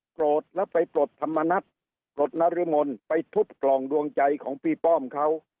โกรธแล้วไปปลดธรรมนัฐปลดนรมนไปทุบกล่องดวงใจของพี่ป้อมเขา